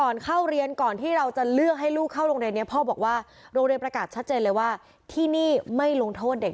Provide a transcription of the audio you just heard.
นี่เหรอค่ะคือบทลงโทษ